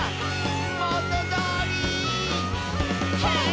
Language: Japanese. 「もとどおり」「ヘイ！」